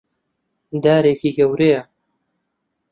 دارێکی گەورەیە.